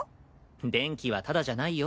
電気はタダじゃないよ。